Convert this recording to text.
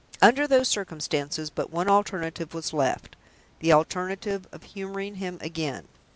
Under those circumstances, but one alternative was left the alternative of humoring him again.